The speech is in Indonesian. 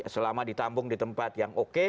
selama ditampung di tempat yang oke